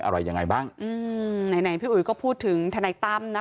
อะไรยังไงบ้างอืมไหนไหนพี่อุ๋ยก็พูดถึงทนายตั้มนะคะ